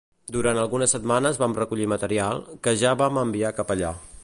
Durant algunes setmanes vam recollir material, que ja vam enviar cap allà.